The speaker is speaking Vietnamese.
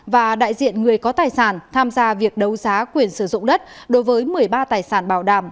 và đại diện người có tài sản tham gia việc đấu giá quyền sử dụng đất đối với một mươi ba tài sản bảo đảm